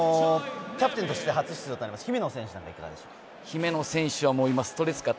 キャプテンとして初出場になりました姫野選手はいかがでしょうか？